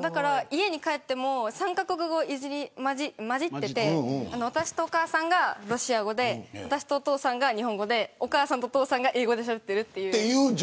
だから家に帰っても３カ国語入り交じってて私とお母さんがロシア語で私とお父さんが日本語でお父さんとお母さんが英語でしゃべってるっていう。